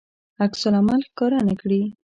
عکس العمل ښکاره نه کړي.